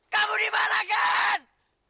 kamu dimana ken